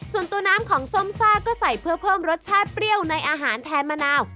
ส่วนตัวน้ำของส้มซ่าก็ใส่เพื่อเพิ่มรสชาติเปรี้ยวในอาหารแทนมะนาว